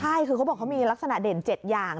ใช่คือเขาบอกเขามีลักษณะเด่น๗อย่าง